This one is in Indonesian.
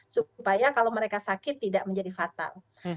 supaya kalau mereka sakit tidak menjadi fatal